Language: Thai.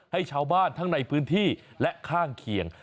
ให้ชาวบ้านทั้งในพื้นที่และข้างเคียง